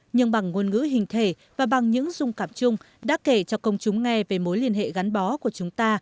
nhưng bằng ngôn ngữ hình thể và bằng những dung cảm chung đã kể cho công chúng nghe về mối liên hệ gắn bó của chúng ta